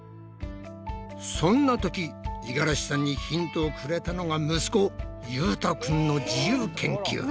そんなとき五十嵐さんにヒントをくれたのが息子優翔くんの自由研究！